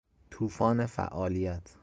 توفان فعالیت